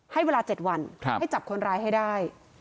ให้เวลา๗วันให้จับคนร้ายให้ได้